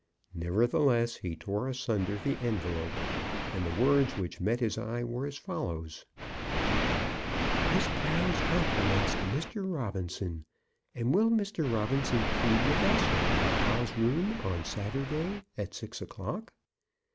Nevertheless, he tore asunder the envelope, and the words which met his eye were as follows: Miss Brown's compliments to Mr. Robinson, and will Mr. Robinson tea with us in papa's room on Saturday, at six o'clock?